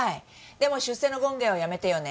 でも出世の権化はやめてよね。